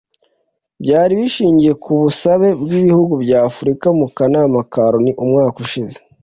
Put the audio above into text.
byari bishingiye ku busabe bw’ibihugu bya Afurika mu Kanama ka Loni umwaka ushize